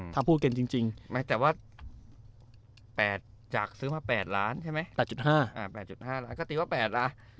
ถ้าพูดกันจริงไหมแต่ว่า๘จากซื้อมา๘ล้านใช่ไหม๘๕๘๕ล้านก็ตีว่า๘ล้าน